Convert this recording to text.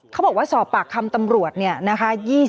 เขาบอกว่าสอบปากคำตำรวจเนี่ยนะคะ